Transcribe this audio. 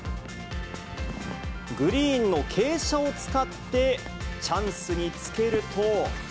グリーンの傾斜を使って、チャンスにつけると。